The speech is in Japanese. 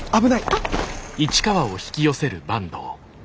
あっ。